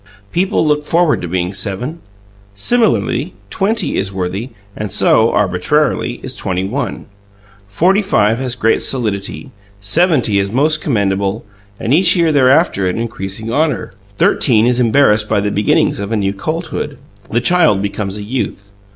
People look forward to being seven. Similarly, twenty is worthy, and so, arbitrarily, is twenty one; forty five has great solidity; seventy is most commendable and each year thereafter an increasing honour. Thirteen is embarrassed by the beginnings of a new colthood; the child becomes a youth.